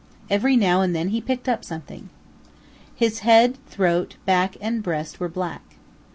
Every now and then he picked up something. His head, throat, back and breast were black.